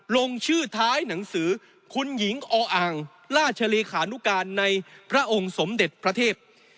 ลงชื่อท้ายหนังสือคุณหญิงออ่างราชเลขานุการในพระองค์สมเด็จพระเทพ